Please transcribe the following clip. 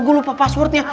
gue lupa passwordnya